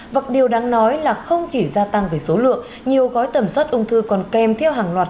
vật điều đáng nói là không chỉ gia tăng về số lượng nhiều gói tầm soát ung thư còn kèm theo hàng loạt